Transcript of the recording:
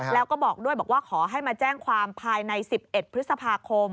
แล้วก็บอกด้วยบอกว่าขอให้มาแจ้งความภายใน๑๑พฤษภาคม